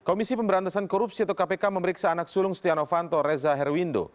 komisi pemberantasan korupsi atau kpk memeriksa anak sulung setia novanto reza herwindo